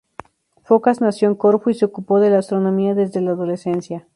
Focas nació en Corfú y se ocupó de la astronomía desde la adolescencia.